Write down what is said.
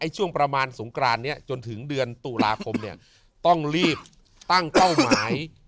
ช่วงประมาณสงกรานนี้จนถึงเดือนตุลาคมต้องรีบตั้งเป้าหมาย